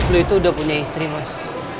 lu itu udah punya istri mas